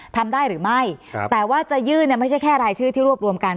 ทำได้หรือไม่แต่ว่าจะยื่นเนี่ยไม่ใช่แค่รายชื่อที่รวบรวมกัน